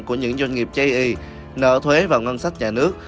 của những doanh nghiệp chây y nợ thuế vào ngân sách nhà nước